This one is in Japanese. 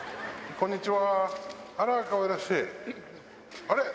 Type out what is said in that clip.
こんにちは。